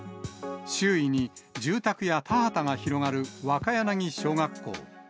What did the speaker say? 周囲に住宅や田畑が広がる若柳小学校。